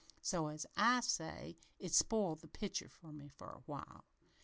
So, as I say, it spoiled the picture for me, for a while.